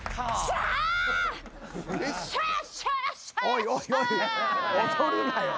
おいおいおい踊るなよ。